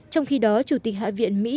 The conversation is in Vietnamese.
trong khi đó chủ tịch hạ viện mỹ